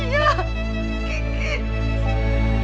sebelum datang diri kita berdua